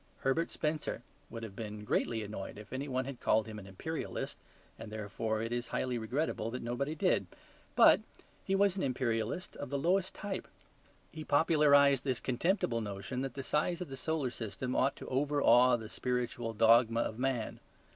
Herbert Spencer would have been greatly annoyed if any one had called him an imperialist, and therefore it is highly regrettable that nobody did. But he was an imperialist of the lowest type. He popularized this contemptible notion that the size of the solar system ought to over awe the spiritual dogma of man.